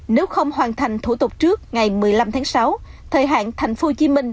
nếu không hoàn thành thủ tục trước ngày một mươi năm tháng sáu thời hạn thành phố hồ chí minh